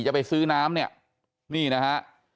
จะไปซื้อน้ำเนี่ยนี่นะฮะ